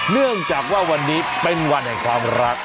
เนื่องจากว่าวันนี้เป็นวันแห่งความรัก